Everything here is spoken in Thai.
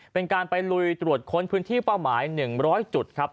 เป็นการไปลุยตรวจค้นพื้นที่เป้าหมาย๑๐๐จุดครับ